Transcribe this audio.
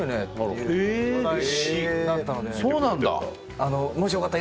そうなんだ。